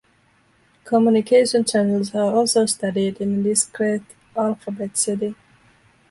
Communication channels are also studied in a discrete-alphabet setting.